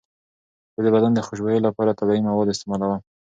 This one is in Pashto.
زه د بدن د خوشبویۍ لپاره طبیعي مواد استعمالوم.